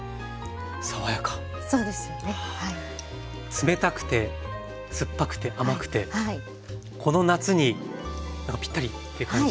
冷たくて酸っぱくて甘くてこの夏にぴったりという感じですね。